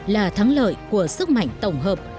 là thắng lợi của sức mạnh tổng hợp